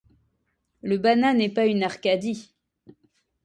Le Banat n'est pas une Arcadie.